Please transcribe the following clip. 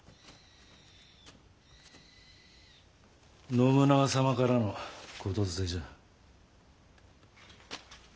信長様からの言づてじゃ。